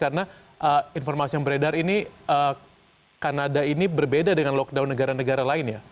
karena informasi yang beredar ini kanada ini berbeda dengan lockdown negara negara lain ya